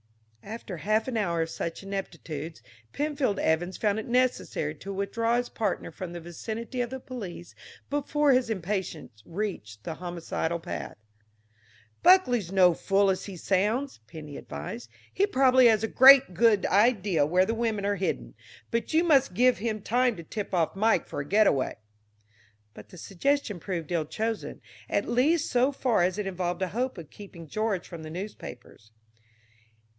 After half an hour of such ineptitudes, Penfield Evans found it necessary to withdraw his partner from the vicinity of the police before his impatience reached the homicidal pitch. "Buckley's no such fool as he sounds," Penny advised. "He probably has a pretty good idea where the women are hidden, but you must give him time to tip off Mike for a getaway." But the suggestion proved ill chosen, at least so far as it involved a hope of keeping George from the newspapers.